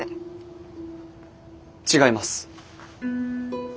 違います。